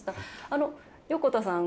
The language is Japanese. あの横田さん